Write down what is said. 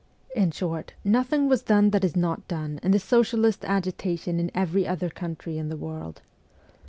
In short, nothing was done that is not done in the socialist agitation in every other country of the world.